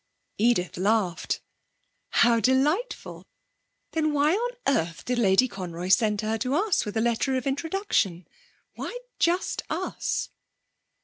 Edith laughed. 'How delightful! Then why on earth did Lady Conroy send her to us with a letter of introduction? Why just us?'